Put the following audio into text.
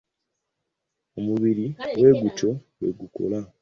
Omubiri bwe gutyo bwe gukola.